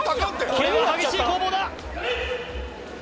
これは激しい攻防だ！